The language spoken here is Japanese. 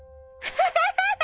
アハハハ！